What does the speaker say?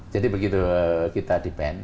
jadi begitu kita dipen